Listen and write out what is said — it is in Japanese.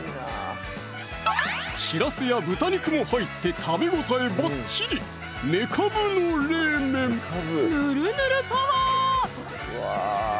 しらすや豚肉も入って食べ応えばっちりぬるぬるパワー！